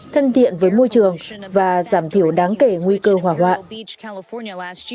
thân thiện với môi trường và giảm thiểu đáng kể nguy cơ hỏa hoạn